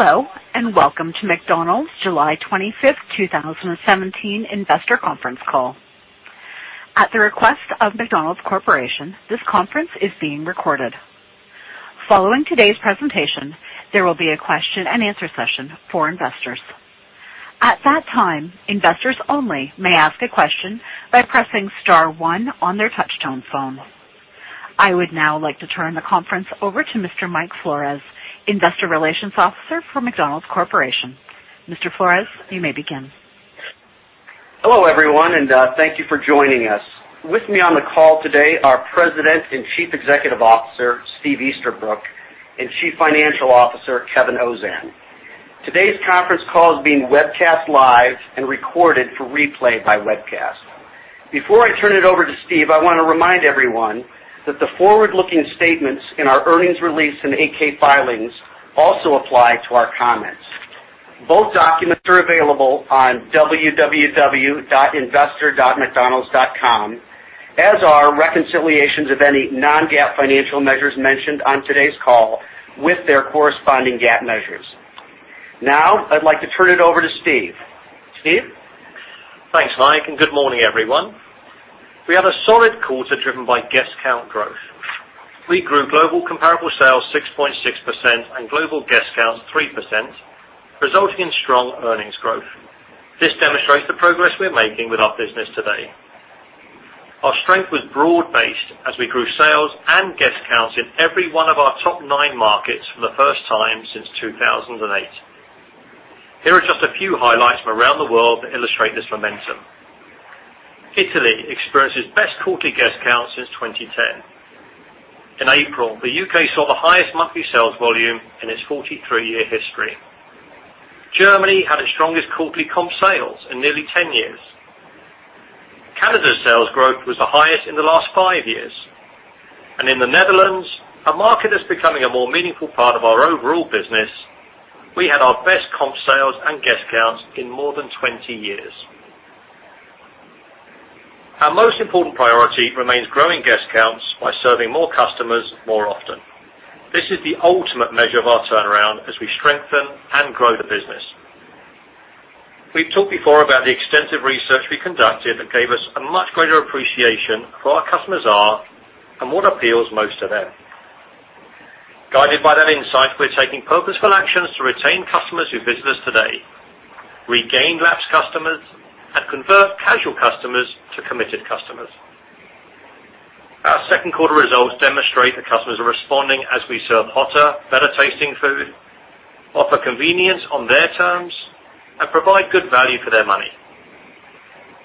Hello, welcome to McDonald's July 25, 2017 investor conference call. At the request of McDonald's Corporation, this conference is being recorded. Following today's presentation, there will be a question and answer session for investors. At that time, investors only may ask a question by pressing star one on their touch-tone phone. I would now like to turn the conference over to Mr. Mike Flores, Investor Relations Officer for McDonald's Corporation. Mr. Flores, you may begin. Hello, everyone, thank you for joining us. With me on the call today are President and Chief Executive Officer, Steve Easterbrook, and Chief Financial Officer, Kevin Ozan. Today's conference call is being webcast live and recorded for replay by webcast. Before I turn it over to Steve, I want to remind everyone that the forward-looking statements in our earnings release and 8-K filings also apply to our comments. Both documents are available on www.investor.mcdonalds.com, as are reconciliations of any non-GAAP financial measures mentioned on today's call with their corresponding GAAP measures. I'd like to turn it over to Steve. Steve? Thanks, Mike, good morning, everyone. We had a solid quarter driven by guest count growth. We grew global comparable sales 6.6% and global guest counts 3%, resulting in strong earnings growth. This demonstrates the progress we're making with our business today. Our strength was broad-based as we grew sales and guest counts in every one of our top nine markets for the first time since 2008. Here are just a few highlights from around the world that illustrate this momentum. Italy experienced its best quarterly guest count since 2010. In April, the U.K. saw the highest monthly sales volume in its 43-year history. Germany had its strongest quarterly comp sales in nearly 10 years. Canada's sales growth was the highest in the last five years. In the Netherlands, a market that's becoming a more meaningful part of our overall business, we had our best comp sales and guest counts in more than 20 years. Our most important priority remains growing guest counts by serving more customers more often. This is the ultimate measure of our turnaround as we strengthen and grow the business. We've talked before about the extensive research we conducted that gave us a much greater appreciation for who our customers are and what appeals most to them. Guided by that insight, we're taking purposeful actions to retain customers who visit us today, regain lapsed customers, and convert casual customers to committed customers. Our second quarter results demonstrate that customers are responding as we serve hotter, better-tasting food, offer convenience on their terms, and provide good value for their money.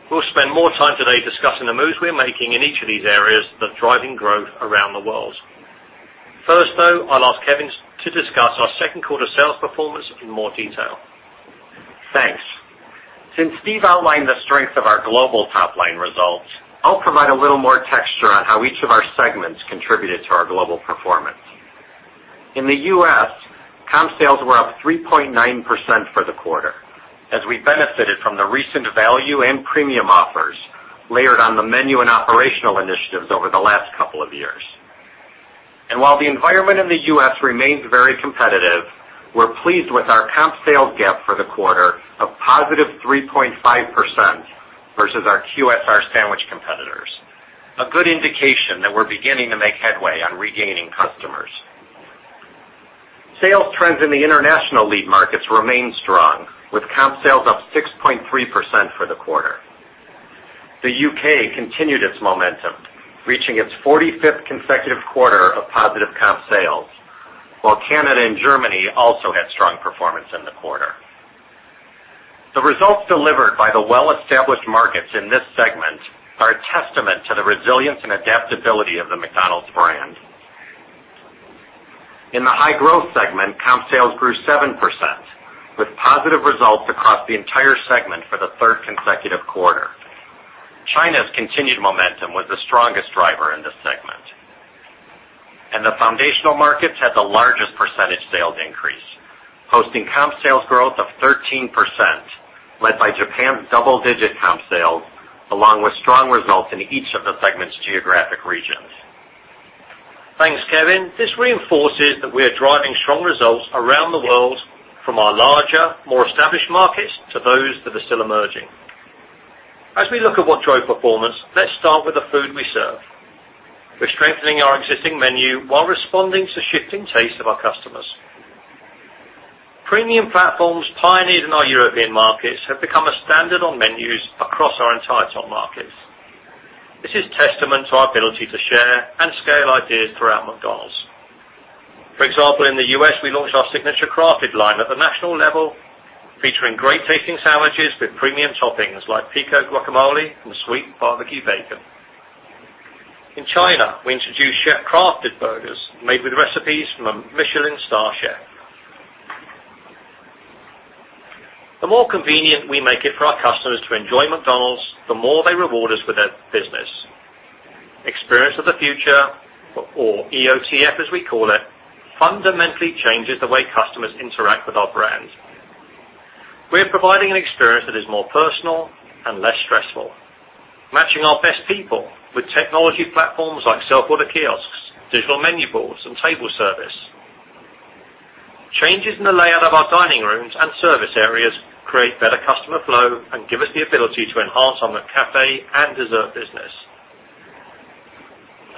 We'll spend more time today discussing the moves we're making in each of these areas that are driving growth around the world. First, though, I'll ask Kevin to discuss our second quarter sales performance in more detail. Thanks. Since Steve outlined the strength of our global top-line results, I'll provide a little more texture on how each of our segments contributed to our global performance. In the U.S., comp sales were up 3.9% for the quarter as we benefited from the recent value and premium offers layered on the menu and operational initiatives over the last couple of years. While the environment in the U.S. remains very competitive, we're pleased with our comp sales gap for the quarter of positive 3.5% versus our QSR sandwich competitors, a good indication that we're beginning to make headway on regaining customers. Sales trends in the international lead markets remain strong, with comp sales up 6.3% for the quarter. The U.K. continued its momentum, reaching its 45th consecutive quarter of positive comp sales, while Canada and Germany also had strong performance in the quarter. The results delivered by the well-established markets in this segment are a testament to the resilience and adaptability of the McDonald's brand. In the high-growth segment, comp sales grew 7%, with positive results across the entire segment for the third consecutive quarter. China's continued momentum was the strongest driver in this segment. The foundational markets had the largest percentage sales increase, hosting comp sales growth of 13%, led by Japan's double-digit comp sales, along with strong results in each of the segment's geographic regions. Thanks, Kevin. This reinforces that we are driving strong results around the world from our larger, more established markets to those that are still emerging. As we look at what drove performance, let's start with the food we serve. We're strengthening our existing menu while responding to shifting tastes of our customers. Premium platforms pioneered in our European markets have become a standard on menus across our entire top markets. This is testament to our ability to share and scale ideas throughout McDonald's. For example, in the U.S., we launched our Signature Crafted Recipes at the national level, featuring great-tasting sandwiches with premium toppings like Pico Guacamole and sweet barbecue bacon. In China, we introduced chef-crafted burgers made with recipes from a Michelin star chef. The more convenient we make it for our customers to enjoy McDonald's, the more they reward us with their business. Experience of the Future, or EOTF, as we call it, fundamentally changes the way customers interact with our brand. We're providing an experience that is more personal and less stressful, matching our best people with technology platforms like self-order kiosks, digital menu boards, and table service. Changes in the layout of our dining rooms and service areas create better customer flow and give us the ability to enhance our McCafé and dessert business.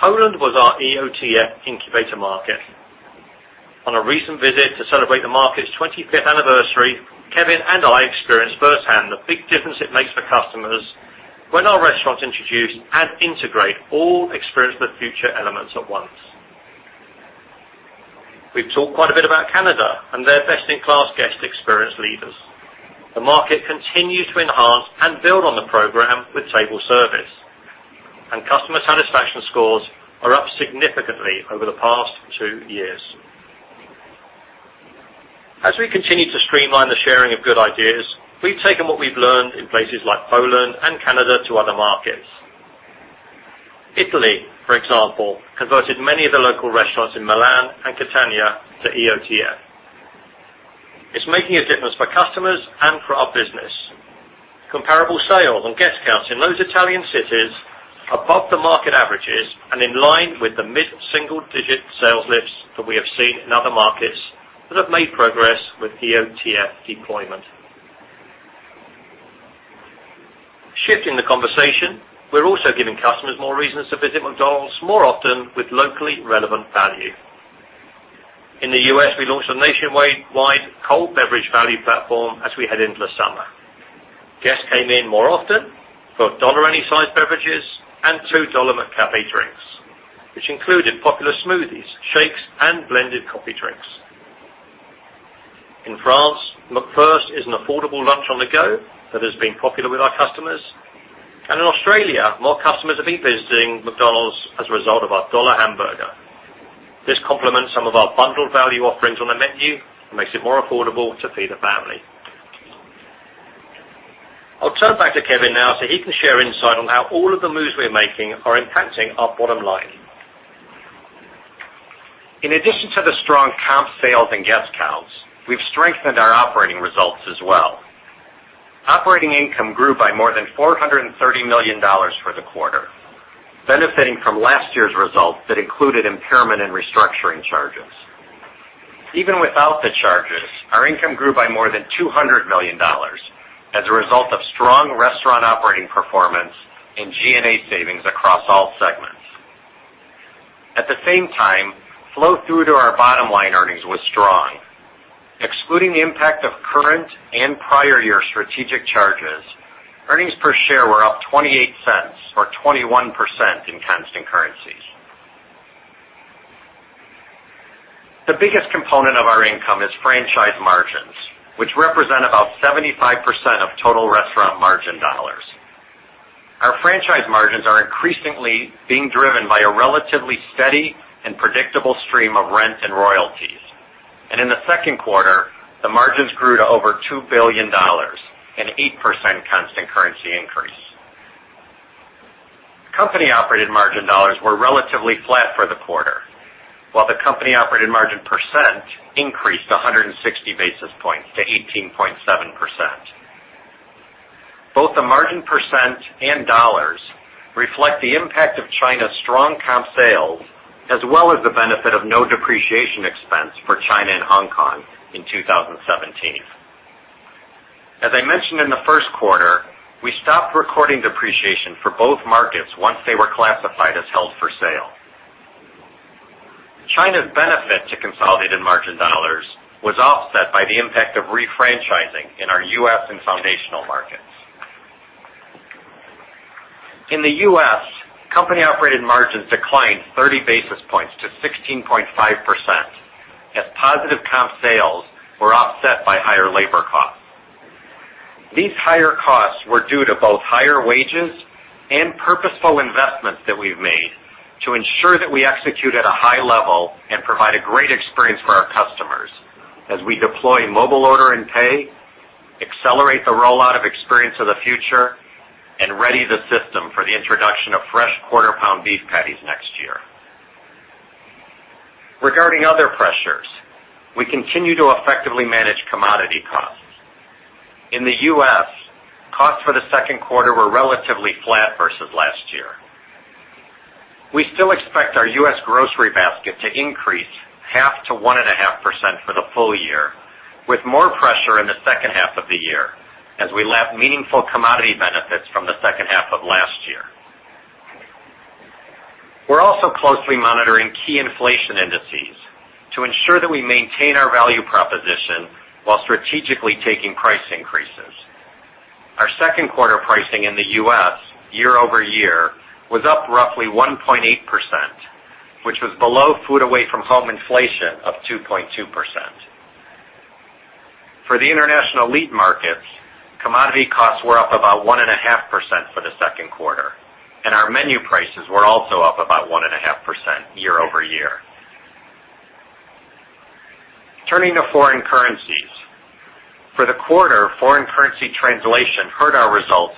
Poland was our EOTF incubator market. On a recent visit to celebrate the market's 25th anniversary, Kevin and I experienced firsthand the big difference it makes for customers when our restaurants introduce and integrate all Experience of the Future elements at once. We've talked quite a bit about Canada and their best-in-class guest experience leaders. The market continues to enhance and build on the program with table service, and customer satisfaction scores are up significantly over the past two years. As we continue to streamline the sharing of good ideas, we've taken what we've learned in places like Poland and Canada to other markets. Italy, for example, converted many of the local restaurants in Milan and Catania to EOTF. It's making a difference for customers and for our business. Comparable sales and guest counts in those Italian cities are above the market averages and in line with the mid-single-digit sales lifts that we have seen in other markets that have made progress with EOTF deployment. Shifting the conversation, we're also giving customers more reasons to visit McDonald's more often with locally relevant value. In the U.S., we launched a nationwide cold beverage value platform as we head into the summer. Guests came in more often for $1 any size beverages and $2 McCafé drinks, which included popular smoothies, shakes, and blended coffee drinks. In France, McFirst is an affordable lunch on the go that has been popular with our customers. In Australia, more customers have been visiting McDonald's as a result of our $1 hamburger. This complements some of our bundled value offerings on the menu and makes it more affordable to feed a family. I'll turn back to Kevin now so he can share insight on how all of the moves we're making are impacting our bottom line. In addition to the strong comp sales and guest counts, we've strengthened our operating results as well. Operating income grew by more than $430 million for the quarter, benefiting from last year's results that included impairment and restructuring charges. Even without the charges, our income grew by more than $200 million as a result of strong restaurant operating performance and G&A savings across all segments. At the same time, flow-through to our bottom-line earnings was strong. Excluding the impact of current and prior-year strategic charges, earnings per share were up $0.28, or 21% in constant currencies. The biggest component of our income is franchise margins, which represent about 75% of total restaurant margin dollars. Our franchise margins are increasingly being driven by a relatively steady and predictable stream of rent and royalties. In the second quarter, the margins grew to over $2 billion, an 8% constant currency increase. Company-operated margin dollars were relatively flat for the quarter, while the company-operated margin percent increased 160 basis points to 18.7%. Both the margin percent and dollars reflect the impact of China's strong comp sales, as well as the benefit of no depreciation expense for China and Hong Kong in 2017. As I mentioned in the first quarter, we stopped recording depreciation for both markets once they were classified as held for sale. China's benefit to consolidated margin dollars was offset by the impact of refranchising in our U.S. and foundational markets. In the U.S., company-operated margins declined 30 basis points to 16.5% as positive comp sales were offset by higher labor costs. These higher costs were due to both higher wages and purposeful investments that we've made to ensure that we execute at a high level and provide a great experience for our customers as we deploy Mobile Order & Pay, accelerate the rollout of Experience of the Future, and ready the system for the introduction of fresh quarter-pound beef patties next year. Regarding other pressures, we continue to effectively manage commodity costs. In the U.S., costs for the second quarter were relatively flat versus last year. We still expect our U.S. grocery basket to increase half to 1.5% for the full year, with more pressure in the second half of the year as we lap meaningful commodity benefits from the second half of last year. We're also closely monitoring key inflation indices to ensure that we maintain our value proposition while strategically taking price increases. Our second quarter pricing in the U.S. year-over-year was up roughly 1.8%, which was below food away from home inflation of 2.2%. For the international lead markets, commodity costs were up about 1.5% for the second quarter, and our menu prices were also up about 1.5% year-over-year. Turning to foreign currencies, for the quarter, foreign currency translation hurt our results.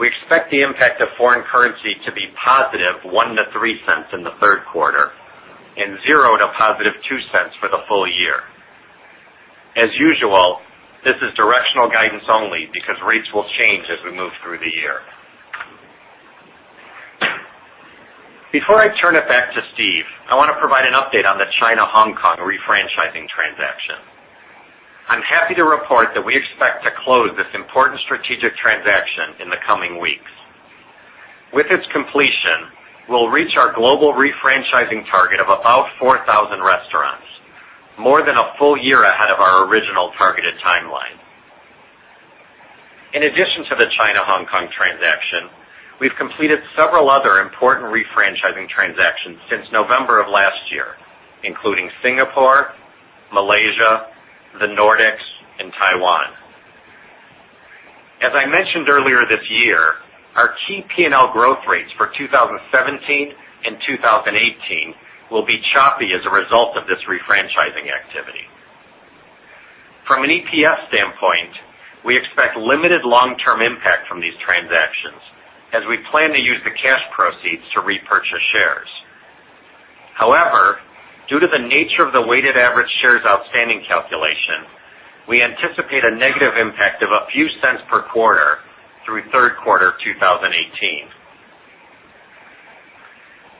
We expect the impact of foreign currency to be positive $0.01-$0.03 in the third quarter, and $0.00-$0.02 for the full year. As usual, this is directional guidance only because rates will change as we move through the year. Before I turn it back to Steve, I want to provide an update on the China-Hong Kong refranchising transaction. I'm happy to report that we expect to close this important strategic transaction in the coming weeks. With its completion, we'll reach our global refranchising target of about 4,000 restaurants, more than a full year ahead of our original targeted timeline. In addition to the China-Hong Kong transaction, we've completed several other important refranchising transactions since November of last year, including Singapore, Malaysia, the Nordics, and Taiwan. As I mentioned earlier this year, our key P&L growth rates for 2017 and 2018 will be choppy as a result of this refranchising activity. From an EPS standpoint, we expect limited long-term impact from these transactions as we plan to use the cash proceeds to repurchase shares. However, due to the nature of the weighted average shares outstanding calculation, we anticipate a negative impact of a few cents per quarter through third quarter 2018.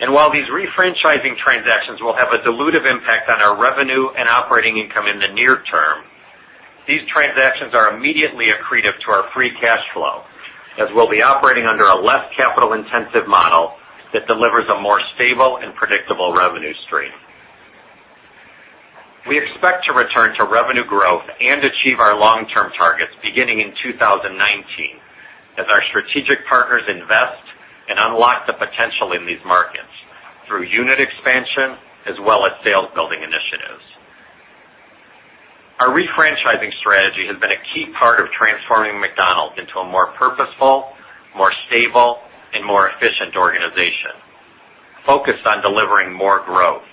While these refranchising transactions will have a dilutive impact on our revenue and operating income in the near term, these transactions are immediately accretive to our free cash flow, as we'll be operating under a less capital-intensive model that delivers a more stable and predictable revenue stream. We expect to return to revenue growth and achieve our long-term targets beginning in 2019 as our strategic partners invest and unlock the potential in these markets through unit expansion as well as sales-building initiatives. Our refranchising strategy has been a key part of transforming McDonald's into a more purposeful, more stable, and more efficient organization, focused on delivering more growth.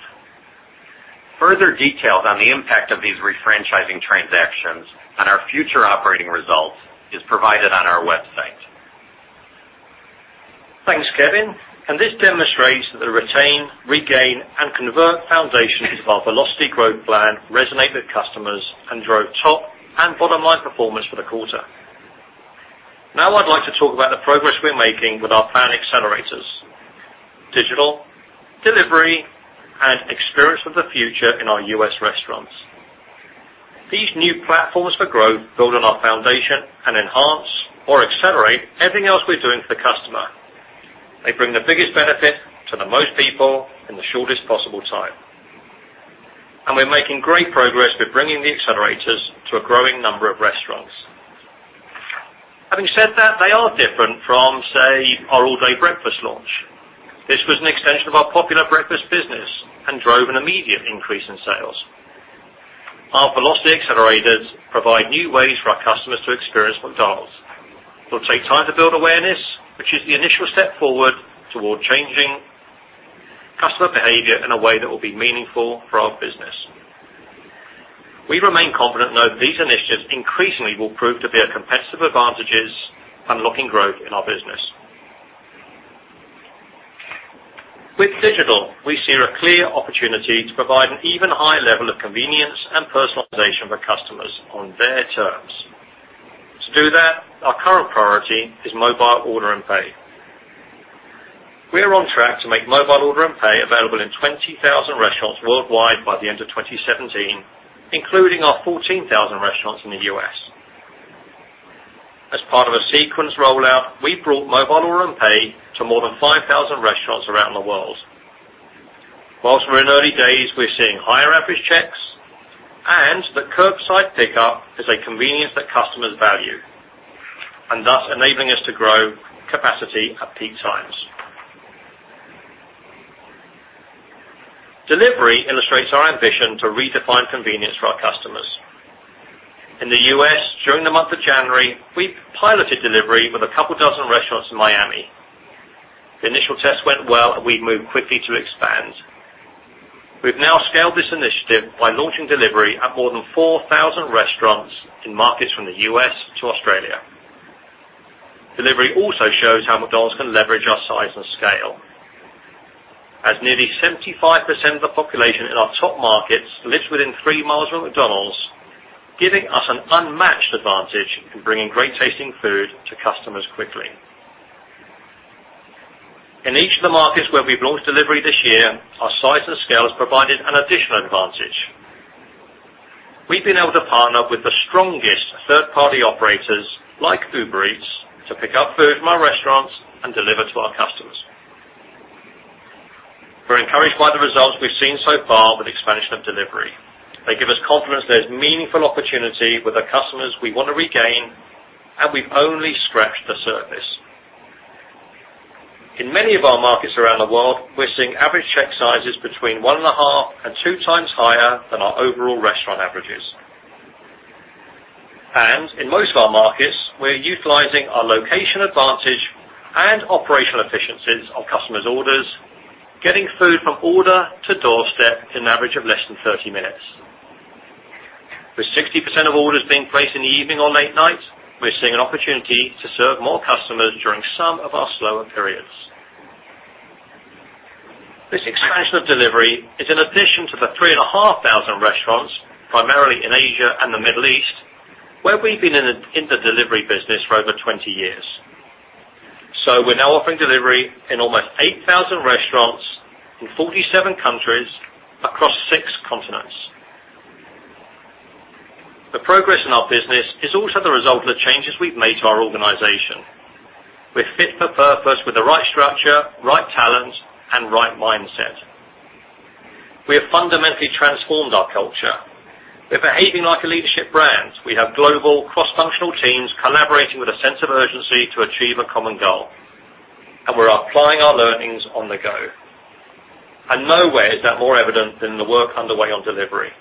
Further details on the impact of these refranchising transactions on our future operating results is provided on our website. Thanks, Kevin. This demonstrates the retain, regain, and convert foundations of our Velocity Growth Plan resonate with customers and drove top and bottom line performance for the quarter. Now I'd like to talk about the progress we're making with our plan accelerators: digital, delivery, and Experience of the Future in our U.S. restaurants. These new platforms for growth build on our foundation and enhance or accelerate everything else we're doing for the customer. They bring the biggest benefit to the most people in the shortest possible time. We're making great progress with bringing the accelerators to a growing number of restaurants. Having said that, they are different from, say, our all-day breakfast launch. This was an extension of our popular breakfast business and drove an immediate increase in sales. Our Velocity accelerators provide new ways for our customers to experience McDonald's. It'll take time to build awareness, which is the initial step forward toward changing customer behavior in a way that will be meaningful for our business. We remain confident, though, that these initiatives increasingly will prove to be our competitive advantages, unlocking growth in our business. With digital, we see a clear opportunity to provide an even higher level of convenience and personalization for customers on their terms. To do that, our current priority is Mobile Order & Pay. We are on track to make Mobile Order & Pay available in 20,000 restaurants worldwide by the end of 2017, including our 14,000 restaurants in the U.S. As part of a sequenced rollout, we've brought Mobile Order & Pay to more than 5,000 restaurants around the world. Whilst we're in early days, we're seeing higher average checks, the curbside pickup is a convenience that customers value, thus enabling us to grow capacity at peak times. Delivery illustrates our ambition to redefine convenience for our customers. In the U.S., during the month of January, we piloted delivery with a couple dozen restaurants in Miami. The initial test went well, we've moved quickly to expand. We've now scaled this initiative by launching delivery at more than 4,000 restaurants in markets from the U.S. to Australia. Delivery also shows how McDonald's can leverage our size and scale. As nearly 75% of the population in our top markets lives within three miles from McDonald's, giving us an unmatched advantage in bringing great-tasting food to customers quickly. In each of the markets where we've launched delivery this year, our size and scale has provided an additional advantage. We've been able to partner with the strongest third-party operators, like Uber Eats, to pick up food from our restaurants and deliver to our customers. We're encouraged by the results we've seen so far with expansion of delivery. They give us confidence there's meaningful opportunity with the customers we want to regain, and we've only scratched the surface. In many of our markets around the world, we're seeing average check sizes between one and a half and two times higher than our overall restaurant averages. In most of our markets, we're utilizing our location advantage and operational efficiencies of customers' orders, getting food from order to doorstep in an average of less than 30 minutes of orders being placed in the evening or late night, we're seeing an opportunity to serve more customers during some of our slower periods. This expansion of delivery is an addition to the 3,500 restaurants, primarily in Asia and the Middle East, where we've been in the delivery business for over 20 years. We're now offering delivery in almost 8,000 restaurants in 47 countries across six continents. The progress in our business is also the result of the changes we've made to our organization. We're fit for purpose with the right structure, right talent, and right mindset. We have fundamentally transformed our culture. We're behaving like a leadership brand. We have global cross-functional teams collaborating with a sense of urgency to achieve a common goal, and we're applying our learnings on the go. Nowhere is that more evident than the work underway on delivery.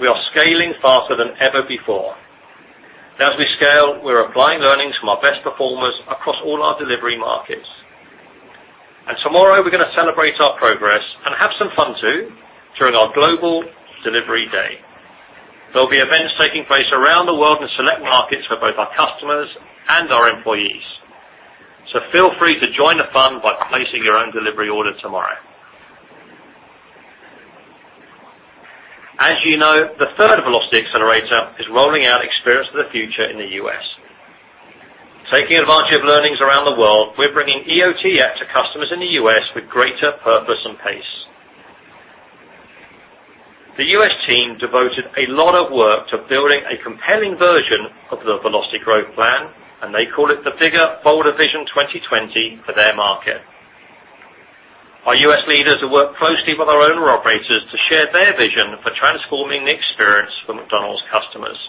We are scaling faster than ever before. As we scale, we're applying learnings from our best performers across all our delivery markets. Tomorrow, we're going to celebrate our progress and have some fun too, during our global delivery day. There'll be events taking place around the world in select markets for both our customers and our employees. Feel free to join the fun by placing your own delivery order tomorrow. As you know, the third velocity accelerator is rolling out Experience of the Future in the U.S. Taking advantage of learnings around the world, we're bringing EOTF out to customers in the U.S. with greater purpose and pace. The U.S. team devoted a lot of work to building a compelling version of the Velocity Growth Plan, and they call it the Bigger Bolder Vision 2020 for their market. Our U.S. leaders have worked closely with our owner operators to share their vision for transforming the experience for McDonald's customers.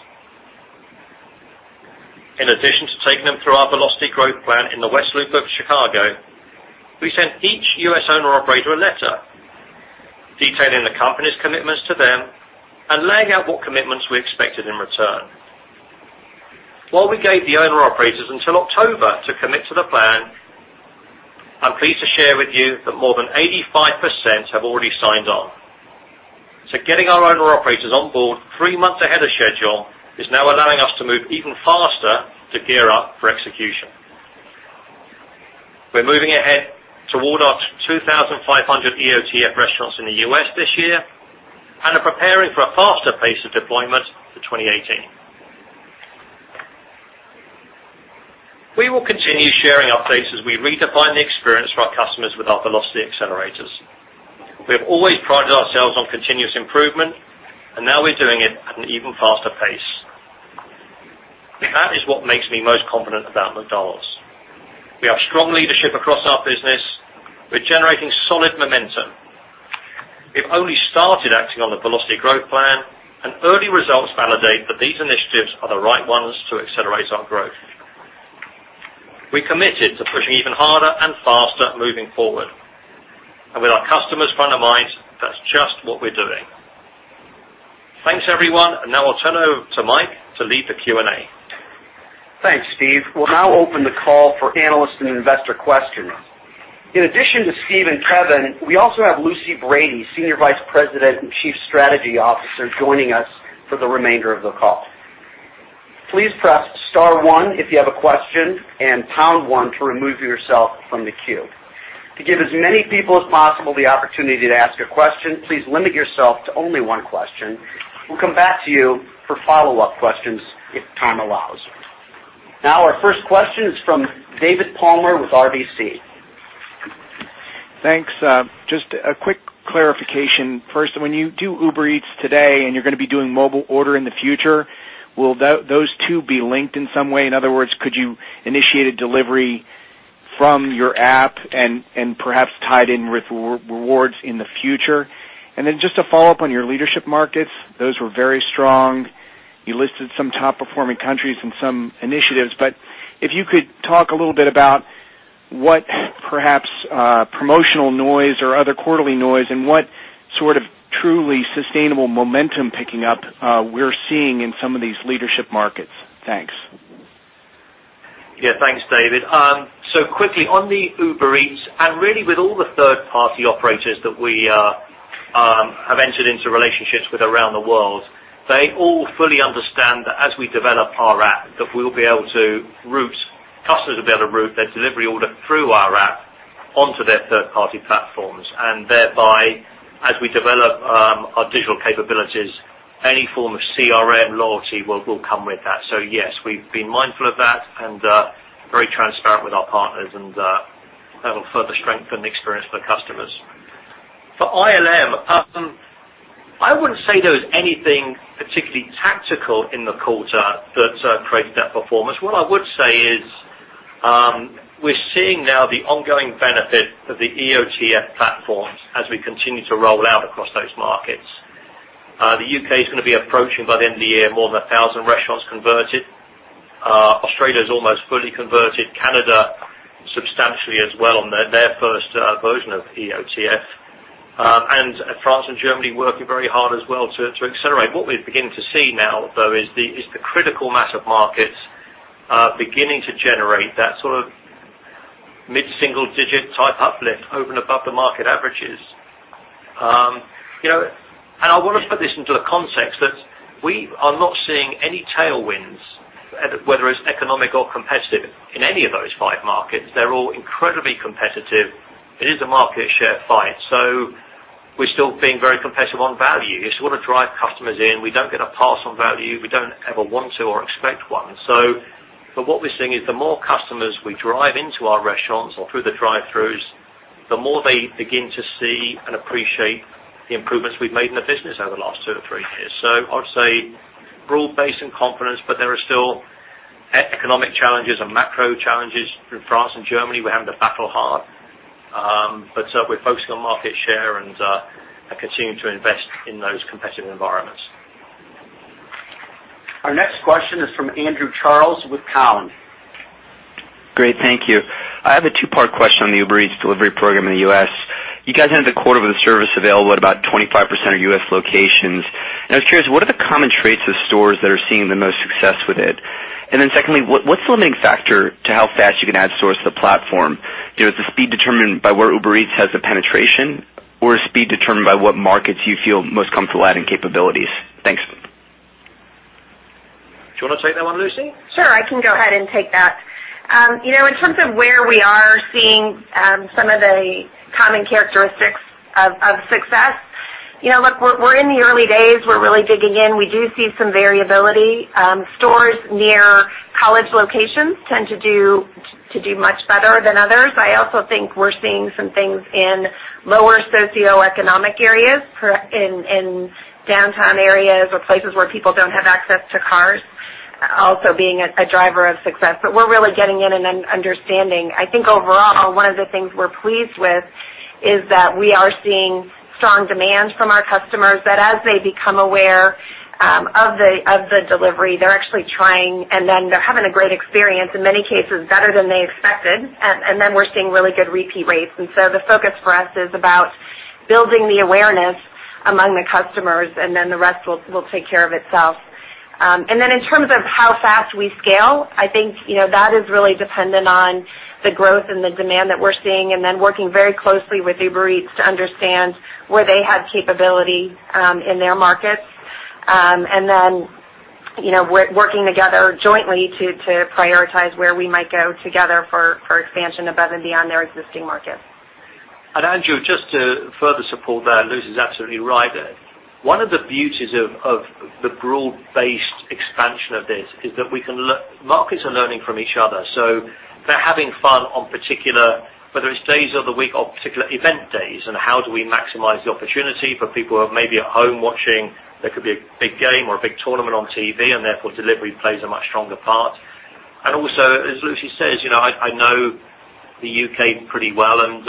In addition to taking them through our Velocity Growth Plan in the West Loop of Chicago, we sent each U.S. owner operator a letter detailing the company's commitments to them and laying out what commitments we expected in return. While we gave the owner operators until October to commit to the plan, I'm pleased to share with you that more than 85% have already signed on. Getting our owner operators on board three months ahead of schedule is now allowing us to move even faster to gear up for execution. We're moving ahead toward our 2,500 EOTF restaurants in the U.S. this year and are preparing for a faster pace of deployment for 2018. We will continue sharing updates as we redefine the experience for our customers with our velocity accelerators. We have always prided ourselves on continuous improvement, and now we're doing it at an even faster pace. That is what makes me most confident about McDonald's. We have strong leadership across our business. We're generating solid momentum. We've only started acting on the Velocity Growth Plan, early results validate that these initiatives are the right ones to accelerate our growth. We're committed to pushing even harder and faster moving forward. With our customers front of mind, that's just what we're doing. Thanks, everyone. Now I'll turn it over to Mike to lead the Q&A. Thanks, Steve. We'll now open the call for analysts and investor questions. In addition to Steve and Kevin, we also have Lucy Brady, Senior Vice President and Chief Strategy Officer, joining us for the remainder of the call. Please press star one if you have a question and pound one to remove yourself from the queue. To give as many people as possible the opportunity to ask a question, please limit yourself to only one question. We'll come back to you for follow-up questions if time allows. Our first question is from David Palmer with RBC. Thanks. Just a quick clarification. First, when you do Uber Eats today, and you're going to be doing Mobile Order in the future, will those two be linked in some way? In other words, could you initiate a delivery from your app and perhaps tie it in with rewards in the future? Then just to follow up on your leadership markets, those were very strong. You listed some top-performing countries and some initiatives, but if you could talk a little bit about what perhaps promotional noise or other quarterly noise and what sort of truly sustainable momentum picking up we're seeing in some of these leadership markets. Thanks. Yeah. Thanks, David. Quickly, on the Uber Eats, really with all the third-party operators that we have entered into relationships with around the world, they all fully understand that as we develop our app, customers will be able to route their delivery order through our app onto their third-party platforms, thereby, as we develop our digital capabilities, any form of CRM loyalty will come with that. Yes, we've been mindful of that and very transparent with our partners, that'll further strengthen the experience for customers. For ILM, I wouldn't say there was anything particularly tactical in the quarter that created that performance. What I would say is, we're seeing now the ongoing benefit of the EOTF platforms as we continue to roll out across those markets. The U.K. is going to be approaching by the end of the year, more than 1,000 restaurants converted. Australia is almost fully converted. Canada, substantially as well on their first version of EOTF. France and Germany working very hard as well to accelerate. What we begin to see now, though, is beginning to generate that sort of mid-single digit type uplift over and above the market averages. I want to put this into a context that we are not seeing any tailwinds, whether it's economic or competitive, in any of those five markets. They're all incredibly competitive. It is a market share fight. We're still being very competitive on value. We want to drive customers in. We don't get a pass on value. We don't ever want to or expect one. What we're seeing is the more customers we drive into our restaurants or through the drive-throughs, the more they begin to see and appreciate the improvements we've made in the business over the last two or three years. I would say broad-based in confidence, but there are still economic challenges and macro challenges through France and Germany. We're having to battle hard. We're focusing on market share and continuing to invest in those competitive environments. Our next question is from Andrew Charles with Cowen. Great. Thank you. I have a two-part question on the Uber Eats delivery program in the U.S. You guys ended the quarter with a service available at about 25% of U.S. locations. I was curious, what are the common traits of stores that are seeing the most success with it? Then secondly, what's the limiting factor to how fast you can add stores to the platform? Is the speed determined by where Uber Eats has the penetration, or is speed determined by what markets you feel most comfortable adding capabilities? Thanks. Do you want to take that one, Lucy? Sure, I can go ahead and take that. In terms of where we are seeing some of the common characteristics of success, look, we're in the early days. We're really digging in. We do see some variability. Stores near college locations tend to do much better than others. I also think we're seeing some things in lower socioeconomic areas, in downtown areas or places where people don't have access to cars, also being a driver of success. We're really getting in and understanding. I think overall, one of the things we're pleased with is that we are seeing strong demand from our customers, that as they become aware of the delivery, they're actually trying, and then they're having a great experience, in many cases better than they expected. We're seeing really good repeat rates. The focus for us is about building the awareness among the customers, and then the rest will take care of itself. In terms of how fast we scale, I think that is really dependent on the growth and the demand that we're seeing, and then working very closely with Uber Eats to understand where they have capability in their markets. We're working together jointly to prioritize where we might go together for expansion above and beyond their existing markets. Andrew, just to further support that, Lucy's absolutely right. One of the beauties of the broad-based expansion of this is that markets are learning from each other. They're having fun on particular, whether it's days of the week or particular event days, and how do we maximize the opportunity for people who are maybe at home watching, there could be a big game or a big tournament on TV, and therefore delivery plays a much stronger part. As Lucy says, I know the U.K. pretty well, and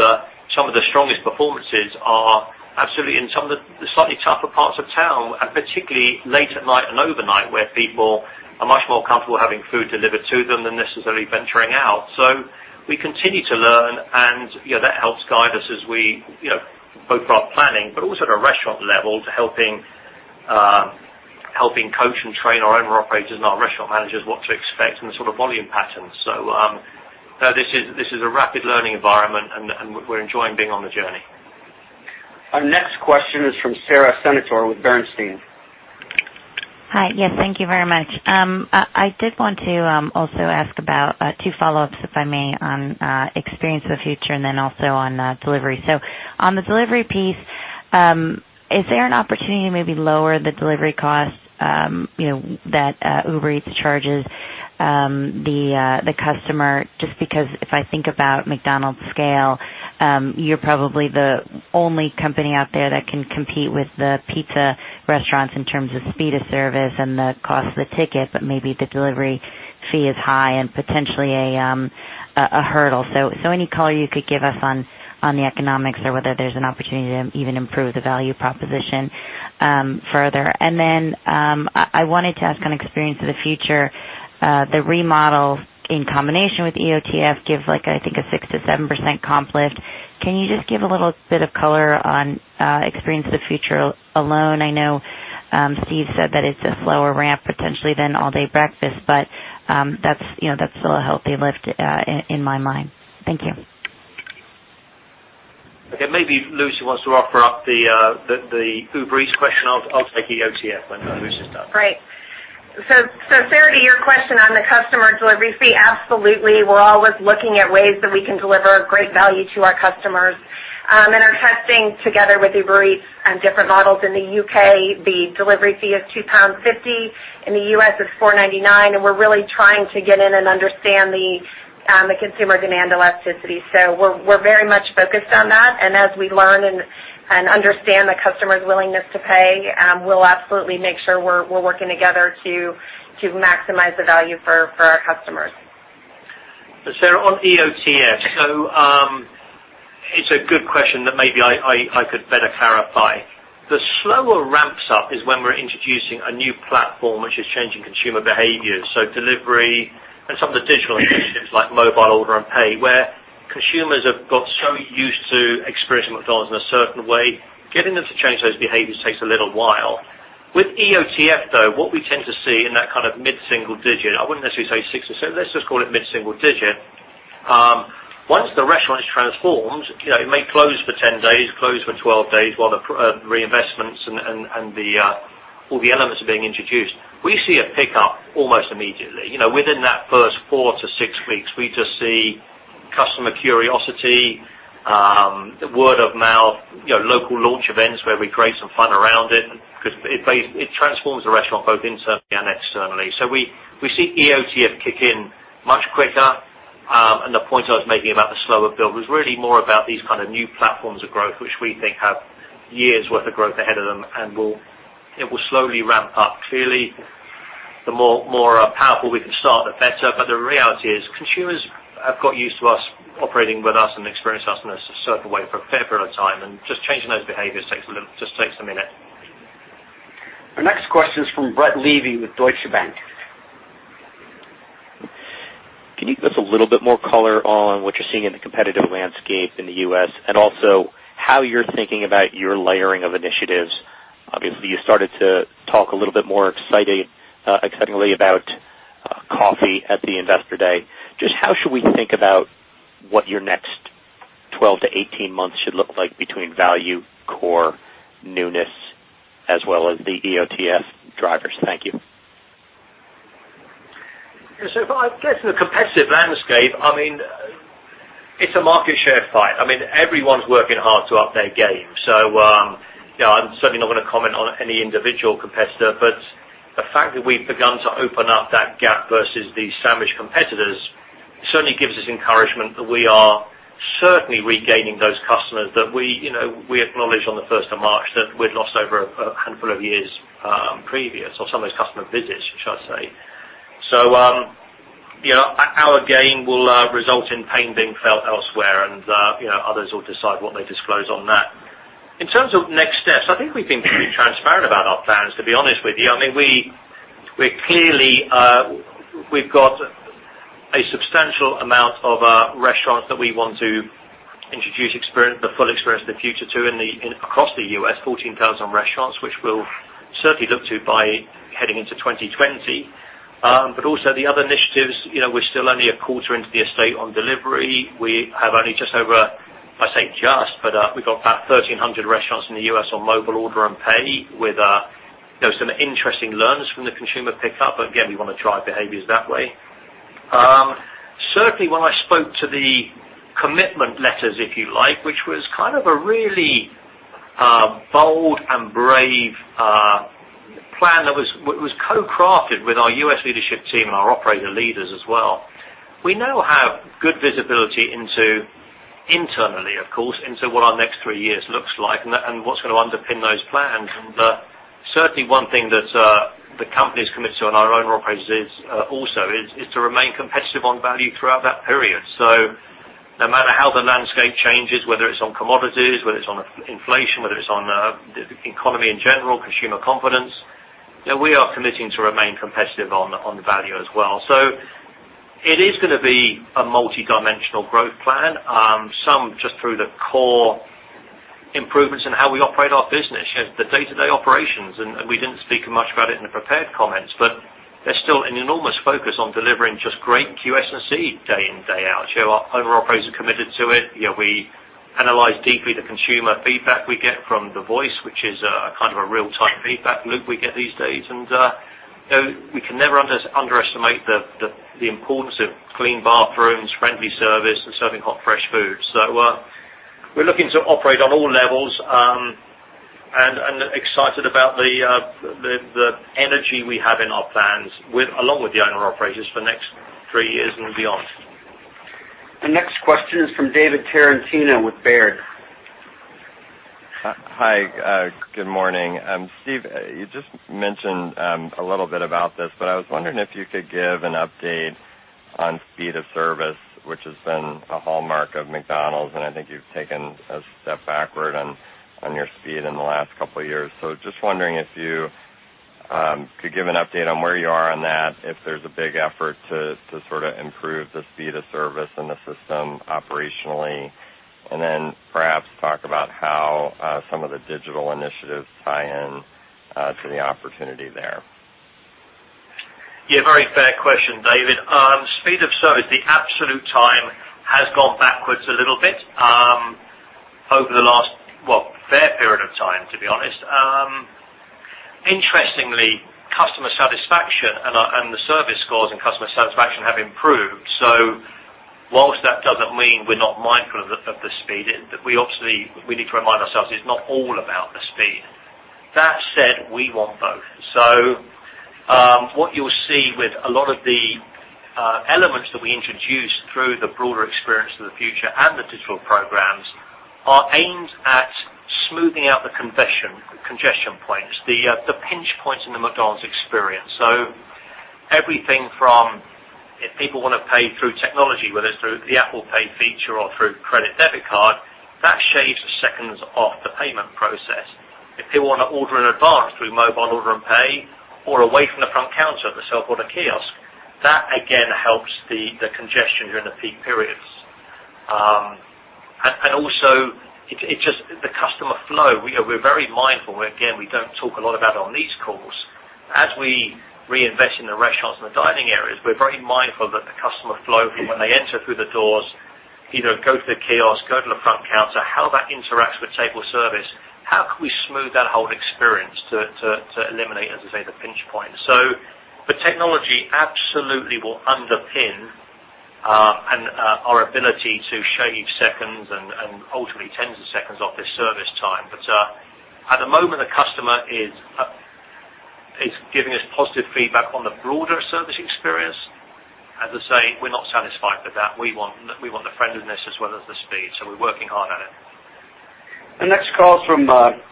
some of the strongest performances are absolutely in some of the slightly tougher parts of town, and particularly late at night and overnight, where people are much more comfortable having food delivered to them than necessarily venturing out. We continue to learn, and that helps guide us as we both are planning, but also at a restaurant level to helping coach and train our owner operators and our restaurant managers what to expect and the sort of volume patterns. This is a rapid learning environment, and we're enjoying being on the journey. Our next question is from Sara Senatore with Bernstein. Hi. Yes, thank you very much. I did want to also ask about two follow-ups, if I may, on Experience of the Future and then also on delivery. On the delivery piece, is there an opportunity to maybe lower the delivery cost that Uber Eats charges the customer? Just because if I think about McDonald's scale, you're probably the only company out there that can compete with the pizza restaurants in terms of speed of service and the cost of the ticket, but maybe the delivery fee is high and potentially a hurdle. Any color you could give us on the economics or whether there's an opportunity to even improve the value proposition further. I wanted to ask on Experience of the Future, the remodels in combination with EOTF give, I think, a 6%-7% comp lift. Can you just give a little bit of color on Experience of the Future alone? I know Steve said that it's a slower ramp potentially than All Day Breakfast, but that's still a healthy lift in my mind. Thank you. Okay. Maybe if Lucy wants to offer up the Uber Eats question. I'll take EOTF when Lucy's done. Great. Sara, to your question on the customer delivery fee, absolutely, we're always looking at ways that we can deliver great value to our customers. In our testing together with Uber Eats on different models in the U.K., the delivery fee is £2.50, in the U.S. it's $4.99, we're really trying to get in and understand the consumer demand elasticity. We're very much focused on that, as we learn and understand the customer's willingness to pay, we'll absolutely make sure we're working together to maximize the value for our customers. Sara, on EOTF. It's a good question that maybe I could better clarify. The slower ramps up is when we're introducing a new platform, which is changing consumer behaviors. Delivery and some of the digital initiatives like Mobile Order & Pay, where consumers have got so used to experiencing McDonald's in a certain way, getting them to change those EOTF, though, what we tend to see in that kind of mid-single digit, I wouldn't necessarily say six or seven, let's just call it mid-single digit. Once the restaurant is transformed, it may close for 10 days, close for 12 days, while the reinvestments and all the elements are being introduced. We see a pickup almost immediately. Within that first four to six weeks, we just see customer curiosity, word of mouth, local launch events where we create some fun around it, because it transforms the restaurant both internally and externally. We see EOTF kick in much quicker. The point I was making about the slower build was really more about these kind of new platforms of growth, which we think have years' worth of growth ahead of them, and it will slowly ramp up. Clearly, the more powerful we can start, the better. The reality is, consumers have got used to us operating with us and experience us in a certain way for a fair period of time, and just changing those behaviors takes a minute. Our next question is from Brett Levy with Deutsche Bank. Can you give us a little bit more color on what you're seeing in the competitive landscape in the U.S., and also how you're thinking about your layering of initiatives? Obviously, you started to talk a little bit more excitingly about coffee at the investor day. How should we think about what your next 12-18 months should look like between value, core, newness, as well as the EOTF drivers? Thank you. If I get to the competitive landscape, it's a market share fight. Everyone's working hard to up their game. I'm certainly not going to comment on any individual competitor, but the fact that we've begun to open up that gap versus the sandwich competitors certainly gives us encouragement that we are certainly regaining those customers that we acknowledged on the 1st of March that we'd lost over a handful of years previous, or some of those customer visits, should I say. Our gain will result in pain being felt elsewhere, and others will decide what they disclose on that. In terms of next steps, I think we've been pretty transparent about our plans, to be honest with you. We've got a substantial amount of restaurants that we want to introduce the full Experience of the Future to across the U.S., 14,000 restaurants, which we'll certainly look to by heading into 2020. Also the other initiatives, we're still only a quarter into the estate on delivery. We have only just over, I say just, but we've got about 1,300 restaurants in the U.S. on Mobile Order & Pay with some interesting learnings from the consumer pickup. Again, we want to drive behaviors that way. Certainly, when I spoke to the commitment letters, if you like, which was kind of a really bold and brave plan that was co-crafted with our U.S. leadership team and our operator leaders as well. We now have good visibility into, internally, of course, into what our next three years looks like and what's going to underpin those plans. Certainly one thing that the company's committed to, and our owner and operators is also, is to remain competitive on value throughout that period. No matter how the landscape changes, whether it's on commodities, whether it's on inflation, whether it's on the economy in general, consumer confidence, we are committing to remain competitive on value as well. It is going to be a multidimensional growth plan. Some just through the core improvements in how we operate our business, the day-to-day operations, and we didn't speak much about it in the prepared comments, but there's still an enormous focus on delivering just great QSC day in, day out. Our owner operators are committed to it. We analyze deeply the consumer feedback we get from the voice, which is a real-time feedback loop we get these days. We can never underestimate the importance of clean bathrooms, friendly service, and serving hot, fresh food. We're looking to operate on all levels, and excited about the energy we have in our plans, along with the owner operators for next three years and beyond. The next question is from David Tarantino with Baird. Hi, good morning. Steve, you just mentioned a little bit about this, I was wondering if you could give an update on speed of service, which has been a hallmark of McDonald's, and I think you've taken a step backward on your speed in the last couple of years. Just wondering if you could give an update on where you are on that, if there's a big effort to improve the speed of service in the system operationally, and then perhaps talk about how some of the digital initiatives tie in to the opportunity there. Yeah, very fair question, David. Speed of service, the absolute time has gone backwards a little bit over the last, well, fair period of time, to be honest. Interestingly, customer satisfaction and the service scores and customer satisfaction have improved. Whilst that doesn't mean we're not mindful of the speed, we need to remind ourselves it's not all about the speed. That said, we want both. What you'll see with a lot of the elements that we introduce through the broader Experience of the Future and the digital programs are aimed at smoothing out the congestion points, the pinch points in the McDonald's experience. Everything from if people want to pay through technology, whether it's through the Apple Pay feature or through credit, debit card, that shaves seconds off the payment process. If people want to order in advance through Mobile Order & Pay or away from the front counter at the self-order kiosk, that again helps the congestion during the peak periods. It's just the customer flow. We're very mindful. Again, we don't talk a lot about it on these calls. As we reinvest in the restaurants and the dining areas, we're very mindful that the customer flow, from when they enter through the doors, either go to the kiosk, go to the front counter, how that interacts with table service, how can we smooth that whole experience to eliminate, as I say, the pinch point. The technology absolutely will underpin our ability to shave seconds and ultimately tens of seconds off this service time. At the moment, the customer is giving us positive feedback on the broader service experience. As I say, we're not satisfied with that. We want the friendliness as well as the speed, so we're working hard at it. The next call is from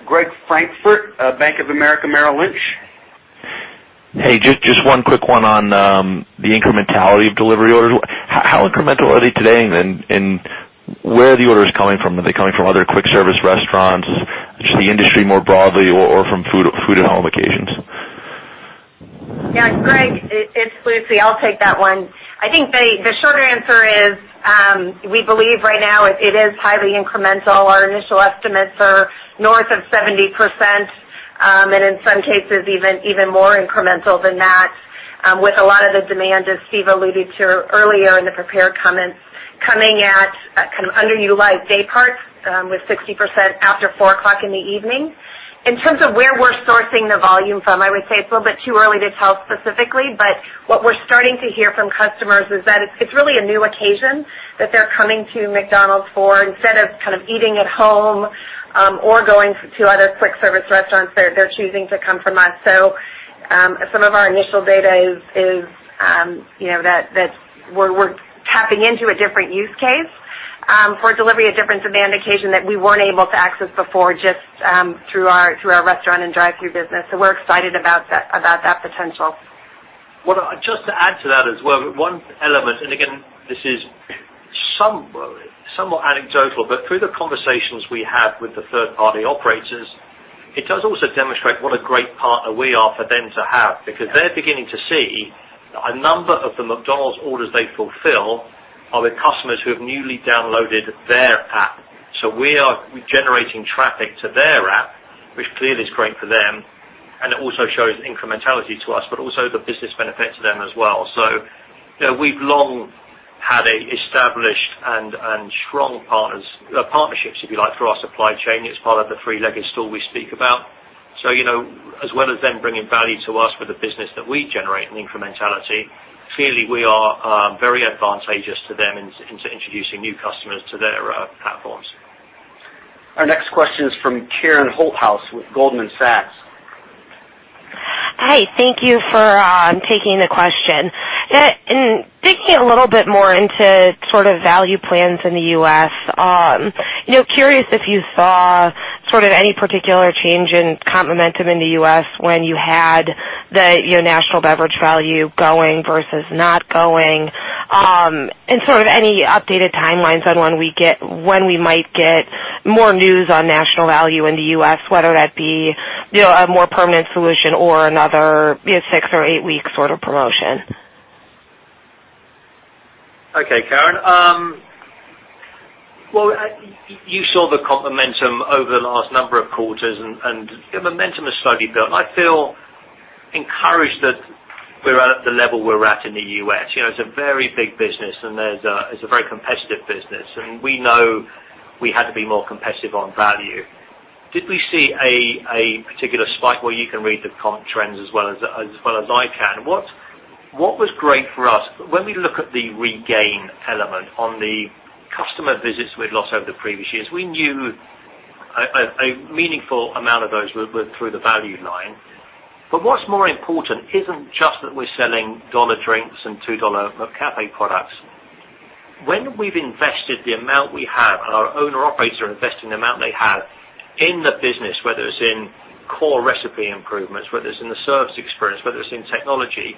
Greg Francfort, Bank of America Merrill Lynch. Hey, just one quick one on the incrementality of delivery orders. How incremental are they today, and where are the orders coming from? Are they coming from other quick service restaurants, just the industry more broadly, or from food at home occasions? Yeah, Greg, it's Lucy. I'll take that one. I think the shorter answer is, we believe right now it is highly incremental. Our initial estimates are north of 70%, and in some cases, even more incremental than that, with a lot of the demand, as Steve alluded to earlier in the prepared comments, coming at kind of underutilized day parts, with 60% after 4:00 in the evening. In terms of where we're sourcing the volume from, I would say it's a little bit too early to tell specifically. What we're starting to hear from customers is that it's really a new occasion that they're coming to McDonald's for. Instead of eating at home, or going to other quick service restaurants, they're choosing to come from us. Some of our initial data is that we're tapping into a different use case for delivery, a different demand occasion that we weren't able to access before, just through our restaurant and drive-thru business. We're excited about that potential. Well, just to add to that as well, one element, and again, this is somewhat anecdotal, but through the conversations we have with the third-party operators, it does also demonstrate what a great partner we are for them to have. Because they're beginning to see that a number of the McDonald's orders they fulfill are with customers who have newly downloaded their app. We are generating traffic to their app, which clearly is great for them, and it also shows incrementality to us, but also the business benefit to them as well. We've long had established and strong partnerships, if you like, through our supply chain. It's part of the three-legged stool we speak about. As well as them bringing value to us for the business that we generate in incrementality, clearly we are very advantageous to them in introducing new customers to their platforms. Our next question is from Karen Holthouse with Goldman Sachs. Hi, thank you for taking the question. In digging a little bit more into value plans in the U.S., curious if you saw any particular change in comp momentum in the U.S. when you had the national beverage value going versus not going? Any updated timelines on when we might get more news on national value in the U.S., whether that be a more permanent solution or another six or eight-week promotion? Okay, Karen. Well, you saw the comp momentum over the last number of quarters, momentum has slowly built. I feel encouraged that we're at the level we're at in the U.S. It's a very big business, it's a very competitive business. We know we had to be more competitive on value. Did we see a particular spike where you can read the comp trends as well as I can? What was great for us, when we look at the regain element on the customer visits we'd lost over the previous years, we knew a meaningful amount of those were through the value line. What's more important isn't just that we're selling dollar drinks and $2 McCafé products. When we've invested the amount we have, our owner operators are investing the amount they have in the business, whether it's in core recipe improvements, whether it's in the service experience, whether it's in technology,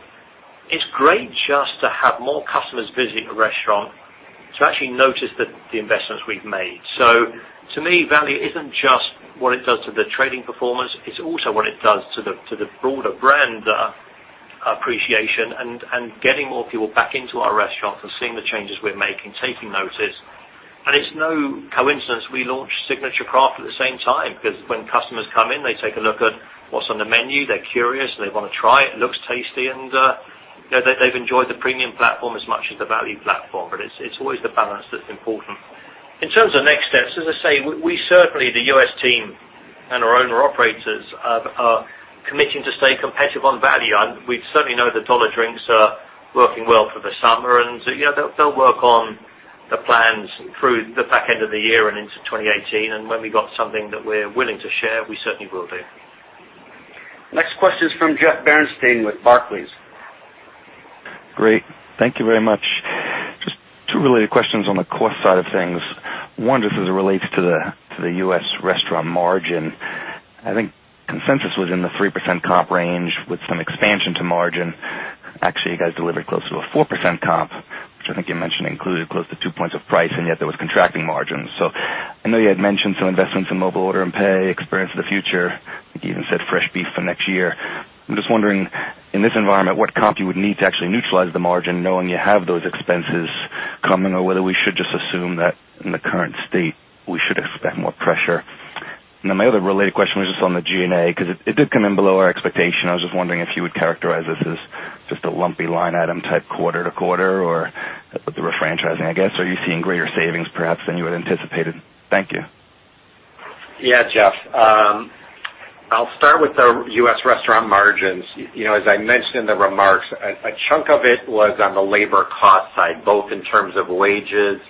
it's great just to have more customers visit the restaurant to actually notice the investments we've made. To me, value isn't just what it does to the trading performance, it's also what it does to the broader brand appreciation and getting more people back into our restaurants and seeing the changes we're making, taking notice. It's no coincidence we launched Signature Craft at the same time, because when customers come in, they take a look at what's on the menu. They're curious, they want to try it. It looks tasty, they've enjoyed the premium platform as much as the value platform. It's always the balance that's important. In terms of next steps, as I say, we certainly, the U.S. team and our owner-operators, are committing to stay competitive on value. We certainly know the dollar drinks are working well for the summer, and they'll work on the plans through the back end of the year and into 2018. When we've got something that we're willing to share, we certainly will do. Next question is from Jeffrey Bernstein with Barclays. Great. Thank you very much. Just two related questions on the cost side of things. One, just as it relates to the U.S. restaurant margin. I think consensus was in the 3% comp range with some expansion to margin. Actually, you guys delivered close to a 4% comp, which I think you mentioned included close to two points of price, and yet there was contracting margins. I know you had mentioned some investments in Mobile Order & Pay, Experience of the Future. You even said fresh beef for next year. I'm just wondering, in this environment, what comp you would need to actually neutralize the margin knowing you have those expenses coming, or whether we should just assume that in the current state, we should expect more pressure. My other related question was just on the G&A, because it did come in below our expectation. I was just wondering if you would characterize this as just a lumpy line item type quarter to quarter or with the refranchising, I guess, are you seeing greater savings perhaps than you had anticipated? Thank you. Yeah, Jeff. I'll start with the U.S. restaurant margins. As I mentioned in the remarks, a chunk of it was on the labor cost side, both in terms of wages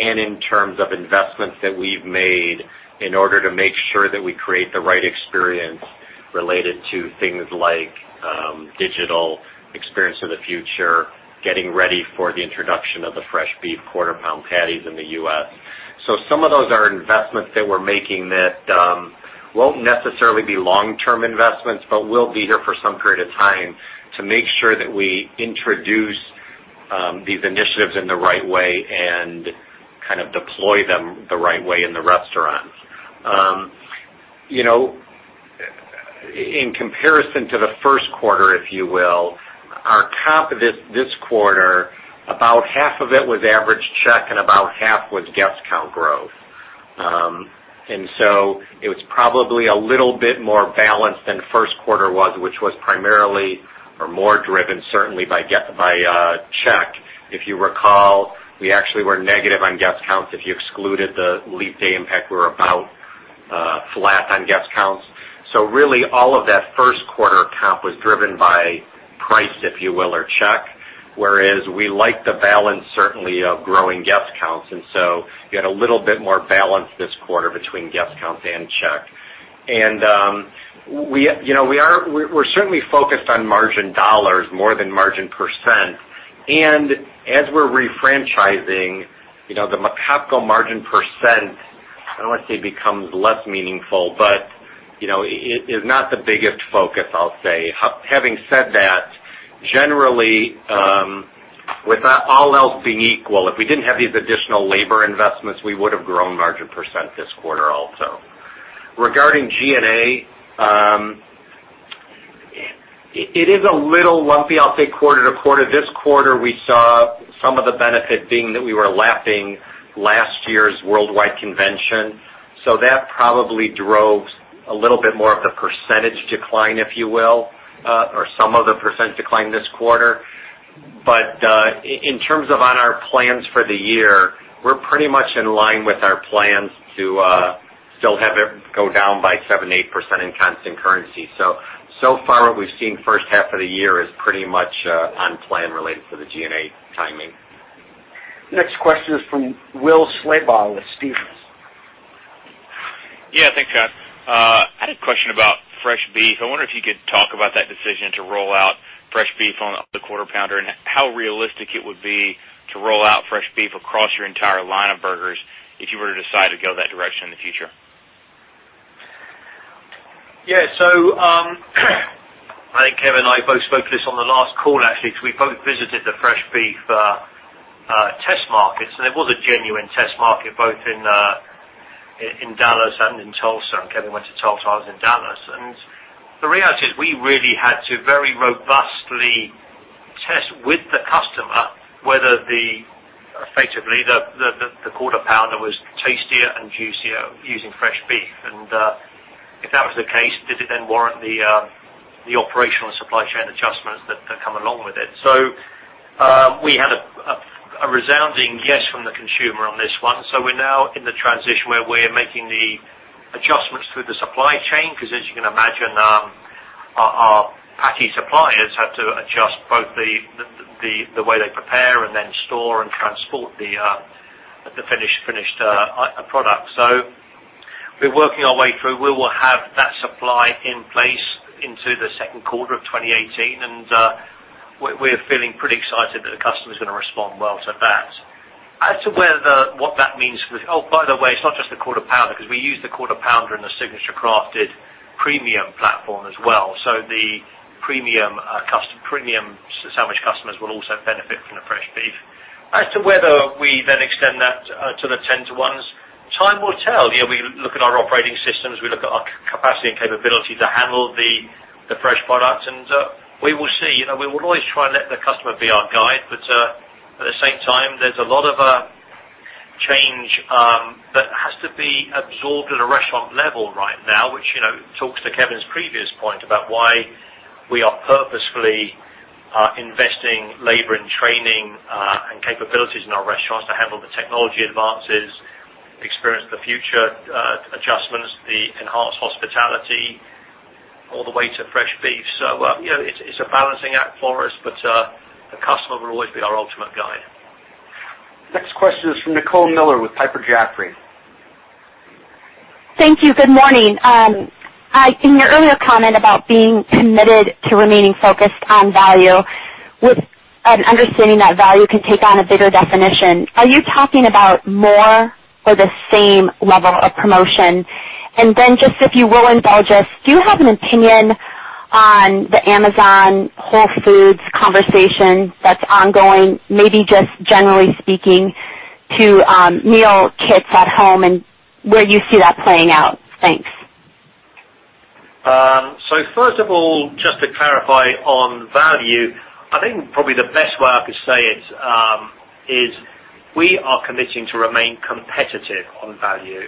and in terms of investments that we've made in order to make sure that we create the right experience related to things like digital Experience of the Future, getting ready for the introduction of the fresh beef quarter pound patties in the U.S. Some of those are investments that we're making that won't necessarily be long-term investments, but will be here for some period of time to make sure that we introduce these initiatives in the right way and kind of deploy them the right way in the restaurants. In comparison to the first quarter, if you will, our comp this quarter, about half of it was average check and about half was guest count growth. It was probably a little bit more balanced than first quarter was, which was primarily or more driven certainly by check. If you recall, we actually were negative on guest counts. If you excluded the leap day impact, we're about flat on guest counts. Really, all of that first quarter comp was driven by price, if you will, or check. Whereas we like the balance, certainly, of growing guest counts, you had a little bit more balance this quarter between guest counts and check. We're certainly focused on margin dollars more than margin %. As we're refranchising, the macro margin %, I don't want to say becomes less meaningful, but is not the biggest focus, I'll say. Having said that, generally, with all else being equal, if we didn't have these additional labor investments, we would have grown margin % this quarter also. Regarding G&A, it is a little lumpy, I'll say, quarter to quarter. This quarter, we saw some of the benefit being that we were lapping last year's worldwide convention. That probably drove a little bit more of the % decline, if you will, or some of the % decline this quarter. In terms of on our plans for the year, we're pretty much in line with our plans to still have it go down by 7%, 8% in constant currency. So far, what we've seen first half of the year is pretty much on plan related to the G&A timing. Next question is from Will Slabaugh with Stephens. Yeah, thanks, guys. I had a question about fresh beef. I wonder if you could talk about that decision to roll out fresh beef on the Quarter Pounder and how realistic it would be to roll out fresh beef across your entire line of burgers if you were to decide to go that direction in the future. Yeah. I think Kevin and I both spoke to this on the last call, actually, because we both visited the fresh beef test markets, and it was a genuine test market, both in Dallas and in Tulsa. Kevin went to Tulsa, I was in Dallas. The reality is, we really had to very robustly test with the customer, whether effectively, the Quarter Pounder was tastier and juicier using fresh beef. If that was the case, did it then warrant the operational and supply chain adjustments that come along with it? We had a resounding yes from the consumer on this one. We're now in the transition where we're making the adjustments through the supply chain, because as you can imagine, our patty suppliers had to adjust both the way they prepare and then store and transport the finished product. We're working our way through. We will have that supply in place into the second quarter of 2018, and we're feeling pretty excited that the customer is going to respond well to that. Oh, by the way, it's not just the Quarter Pounder, because we use the Quarter Pounder and the Signature Crafted premium platform as well. The premium sandwich customers will also benefit from the fresh beef. As to whether we then extend that to the 10 to 1s, time will tell. We look at our operating systems, we look at our capacity and capability to handle the fresh products, and we will see. We will always try and let the customer be our guide, but at the same time, there's a lot of change that has to be absorbed at a restaurant level right now, which talks to Kevin's previous point about why we are purposefully investing labor and training and capabilities in our restaurants to handle the technology advances, Experience of the Future adjustments, the enhanced hospitality, all the way to fresh beef. It's a balancing act for us, but the customer will always be our ultimate guide. Next question is from Nicole Miller with Piper Jaffray. Thank you. Good morning. In your earlier comment about being committed to remaining focused on value with an understanding that value can take on a bigger definition, are you talking about more or the same level of promotion? Just if you will indulge us, do you have an opinion on the Amazon Whole Foods conversation that's ongoing? Maybe just generally speaking To meal kits at home and where you see that playing out. Thanks. First of all, just to clarify on value, I think probably the best way I could say it, is we are committing to remain competitive on value.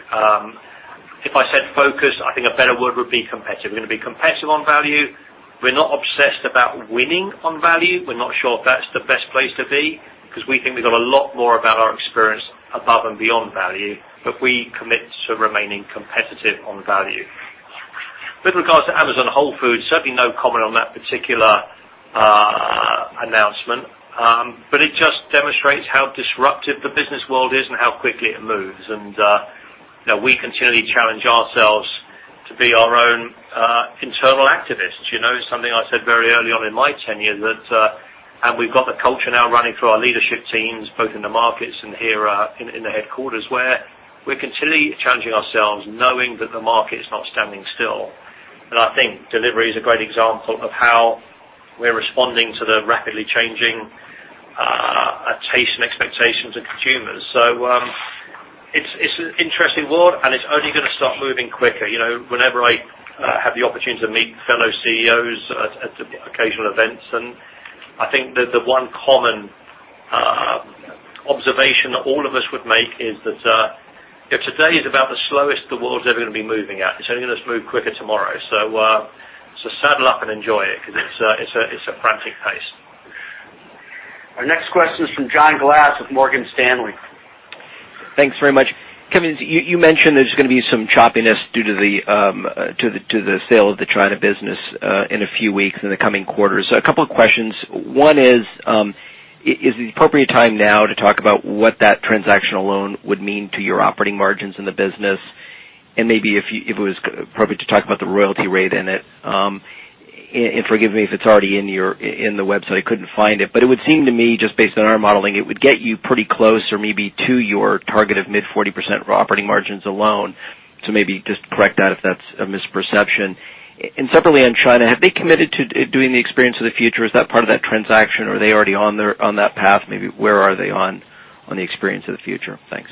If I said focused, I think a better word would be competitive. We're going to be competitive on value. We're not obsessed about winning on value. We're not sure if that's the best place to be because we think we've got a lot more about our experience above and beyond value, but we commit to remaining competitive on value. With regards to Amazon Whole Foods, certainly no comment on that particular announcement. It just demonstrates how disruptive the business world is and how quickly it moves. We continually challenge ourselves to be our own internal activists. Something I said very early on in my tenure that, and we've got the culture now running through our leadership teams, both in the markets and here in the headquarters, where we're continually challenging ourselves, knowing that the market is not standing still. I think delivery is a great example of how we're responding to the rapidly changing taste and expectations of consumers. It's an interesting world, and it's only going to start moving quicker. Whenever I have the opportunity to meet fellow CEOs at occasional events, and I think that the one common observation that all of us would make is that, if today is about the slowest the world's ever going to be moving at, it's only going to move quicker tomorrow. Saddle up and enjoy it because it's a frantic pace. Our next question is from John Glass with Morgan Stanley. Thanks very much. Kevin, you mentioned there is going to be some choppiness due to the sale of the China business in a few weeks in the coming quarters. A couple of questions. One is the appropriate time now to talk about what that transactional loan would mean to your operating margins in the business? Maybe if it was appropriate to talk about the royalty rate in it. Forgive me if it is already in the website. I couldn't find it. It would seem to me, just based on our modeling, it would get you pretty close or maybe to your target of mid-40% operating margins alone. Maybe just correct that if that is a misperception. Separately on China, have they committed to doing the Experience of the Future? Is that part of that transaction or are they already on that path? Maybe where are they on the Experience of the Future? Thanks.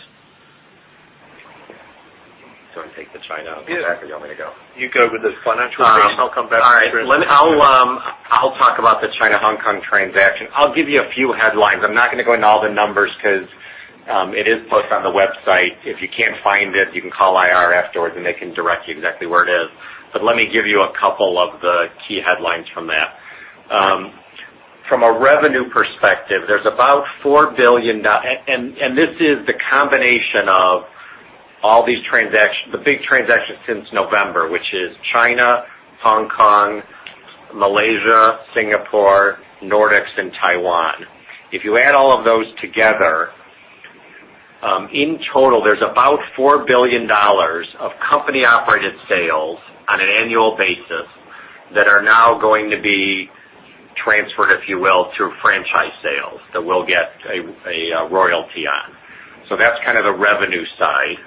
Do you want me to take the China and come back, or do you want me to go? You go with the financial base. I'll come back to the China piece. All right. I'll talk about the China Hong Kong transaction. I'll give you a few headlines. I'm not going to go into all the numbers because it is posted on the website. If you can't find it, you can call IR afterwards, and they can direct you exactly where it is. Let me give you a couple of the key headlines from that. From a revenue perspective, there's about $4 billion, and this is the combination of all these transactions, the big transactions since November, which is China, Hong Kong, Malaysia, Singapore, Nordics, and Taiwan. If you add all of those together, in total, there's about $4 billion of company-operated sales on an annual basis that are now going to be transferred, if you will, to franchise sales that we'll get a royalty on. That's the revenue side.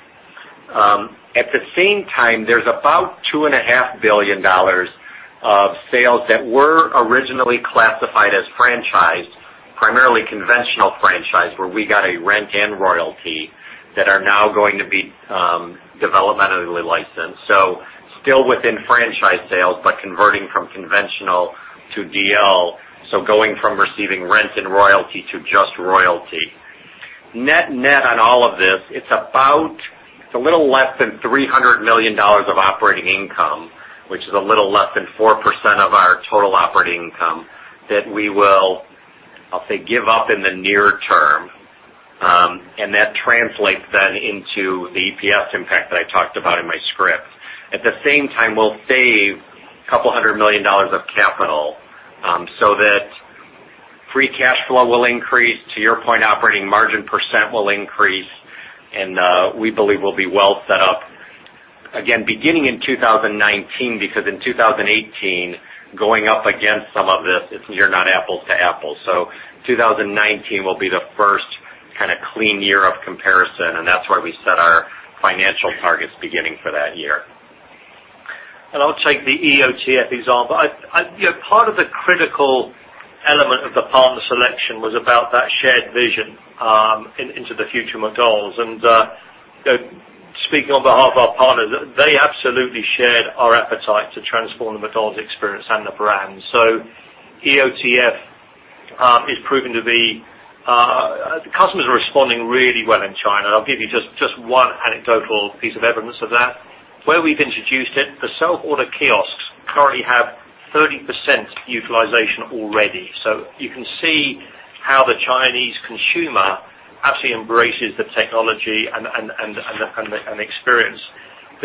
At the same time, there's about $2.5 billion of sales that were originally classified as franchise, primarily conventional franchise, where we got a rent and royalty that are now going to be developmentally licensed. Still within franchise sales, but converting from conventional to DL, going from receiving rent and royalty to just royalty. Net on all of this, it's a little less than $300 million of operating income, which is a little less than 4% of our total operating income that we will, I'll say, give up in the near term, and that translates then into the EPS impact that I talked about in my script. At the same time, we'll save a couple hundred million dollars of capital, that free cash flow will increase. To your point, operating margin % will increase. We believe we'll be well set up again beginning in 2019, because in 2018, going up against some of this, it's not apples to apples. 2019 will be the first clean year of comparison, that's where we set our financial targets beginning for that year. I'll take the EOTF example. Part of the critical element of the partner selection was about that shared vision into the future McDonald's. Speaking on behalf of our partners, they absolutely shared our appetite to transform the McDonald's experience and the brand. EOTF is proving to be. The customers are responding really well in China. I'll give you just one anecdotal piece of evidence of that. Where we've introduced it, the self-order kiosks currently have 30% utilization already. You can see how the Chinese consumer actually embraces the technology and experience.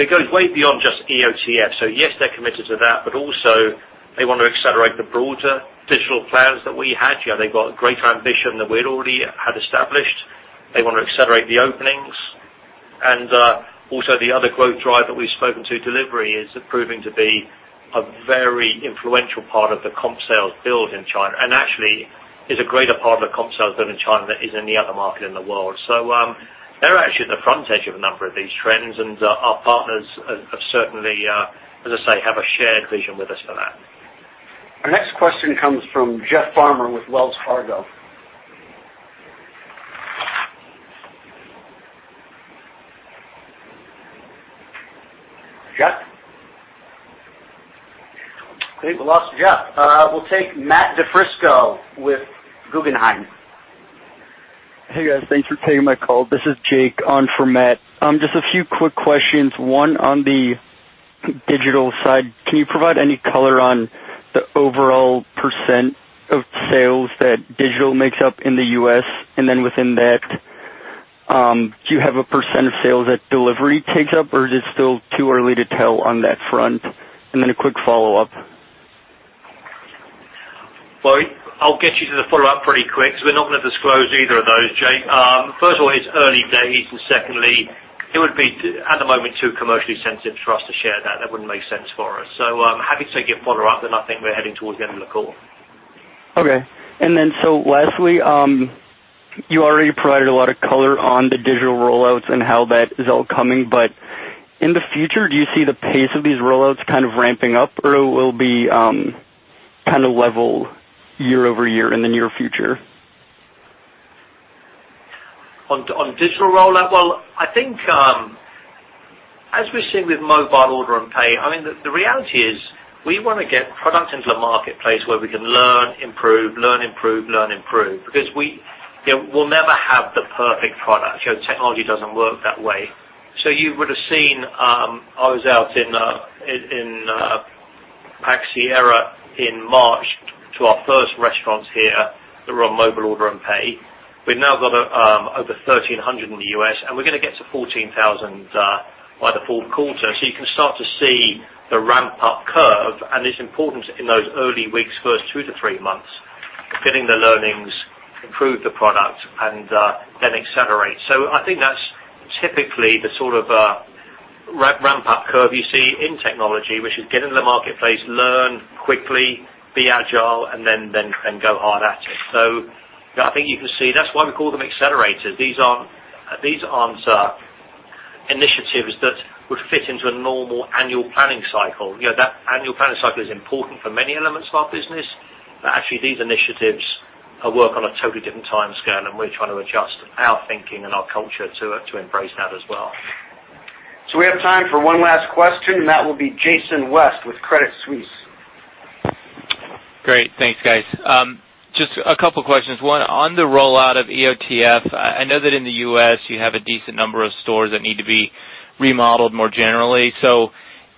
It goes way beyond just EOTF. Yes, they're committed to that, but also they want to accelerate the broader digital plans that we had. They've got greater ambition than we'd already had established. They want to accelerate the openings. Also the other growth driver we've spoken to, delivery, is proving to be a very influential part of the comp sales build in China, and actually is a greater part of the comp sales build in China than it is any other market in the world. They're actually at the front edge of a number of these trends, and our partners have certainly, as I say, have a shared vision with us for that. Our next question comes from Jeff Farmer with Wells Fargo. Jeff? Okay, we lost Jeff. We'll take Matthew DiFrisco with Guggenheim. Hey, guys. Thanks for taking my call. This is Jake on for Matt. Just a few quick questions. One, on the digital side, can you provide any color on the overall % of sales that digital makes up in the U.S.? Then within that, do you have a % of sales that delivery takes up, or is it still too early to tell on that front? Then a quick follow-up. Well, I'll get you to the follow-up pretty quick, because we're not going to disclose either of those, Jake. First of all, it's early days, and secondly, it would be, at the moment, too commercially sensitive for us to share that. That wouldn't make sense for us. Happy to take your follow-up, then I think we're heading towards the end of the call. Okay. Lastly, you already provided a lot of color on the digital rollouts and how that is all coming, but in the future, do you see the pace of these rollouts kind of ramping up, or it will be kind of level year-over-year in the near future? On digital rollout? Well, I think as we've seen with Mobile Order & Pay, the reality is, we want to get product into the marketplace where we can learn, improve, learn, improve, learn, improve. Because we'll never have the perfect product. Technology doesn't work that way. You would have seen, I was out in Pac Sierra in March to our first restaurants here that were on Mobile Order & Pay. We've now got over 1,300 in the U.S., and we're going to get to 14,000 by the fourth quarter. You can start to see the ramp-up curve, and it's important in those early weeks, first two to three months, getting the learnings, improve the product, and then accelerate. I think that's typically the sort of ramp-up curve you see in technology. Which is get into the marketplace, learn quickly, be agile, and then go hard at it. I think you can see that's why we call them accelerators. These aren't initiatives that would fit into a normal annual planning cycle. That annual planning cycle is important for many elements of our business. Actually, these initiatives work on a totally different timescale, and we're trying to adjust our thinking and our culture to embrace that as well. We have time for one last question, and that will be Jason West with Credit Suisse. Great. Thanks, guys. Just a couple questions. One, on the rollout of EOTF, I know that in the U.S., you have a decent number of stores that need to be remodeled more generally.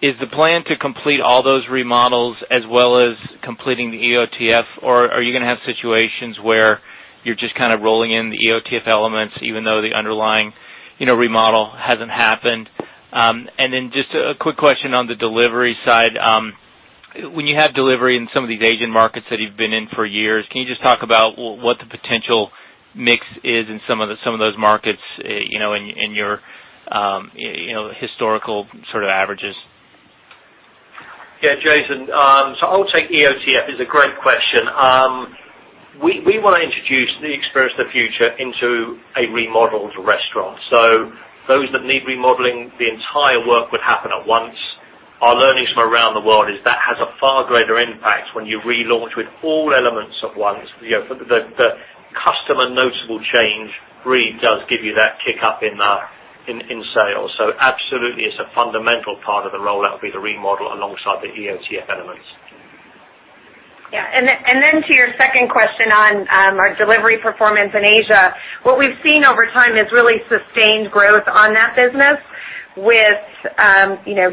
Is the plan to complete all those remodels as well as completing the EOTF, or are you going to have situations where you're just kind of rolling in the EOTF elements, even though the underlying remodel hasn't happened? Just a quick question on the delivery side. When you have delivery in some of these Asian markets that you've been in for years, can you just talk about what the potential mix is in some of those markets, in your historical sort of averages? Yeah, Jason. I'll take EOTF, it's a great question. We want to introduce the Experience of the Future into a remodeled restaurant. Those that need remodeling, the entire work would happen at once. Our learnings from around the world is that has a far greater impact when you relaunch with all elements at once. The customer noticeable change really does give you that kick up in sales. Absolutely, it's a fundamental part of the rollout, will be the remodel alongside the EOTF elements. Yeah. To your second question on our delivery performance in Asia, what we've seen over time is really sustained growth on that business with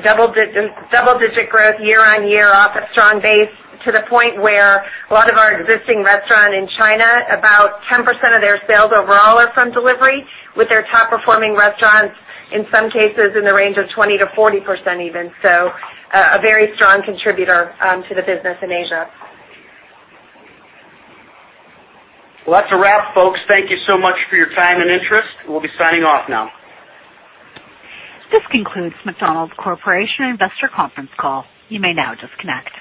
double-digit growth year-on-year off a strong base to the point where a lot of our existing restaurant in China, about 10% of their sales overall are from delivery, with their top-performing restaurants, in some cases, in the range of 20%-40% even. A very strong contributor to the business in Asia. Well, that's a wrap, folks. Thank you so much for your time and interest. We'll be signing off now. This concludes McDonald's Corporation Investor Conference Call. You may now disconnect.